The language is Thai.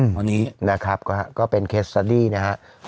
คราวนี้ก็เป็นเฮสดดี้นะครับ